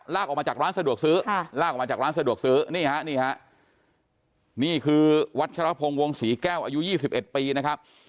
ลากออกมาจากร้านสะดวกซื้อนี่คือวัชรพงษ์วงศรีแก้วอายุ๒๑ปีนะครับ